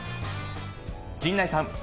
陣内さん。